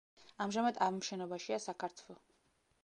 ამჟამად ამ შენობაშია საქართვ.